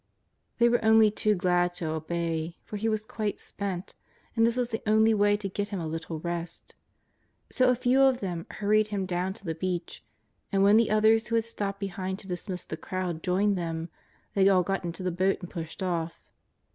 They were only too glad to obey, for He was quite spent, and this was the only w^ay to get Him a little rest. So a few of them hurried Him down to the beach, and when the others who had stopped behind to dismiss the crowd joined them, they all got into the boat and pushed off.